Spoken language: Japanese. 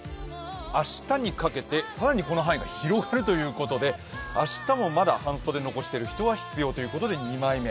明日にかけて更にこの範囲が広がるということで明日もまだ半袖残している人は必要ということで２枚目。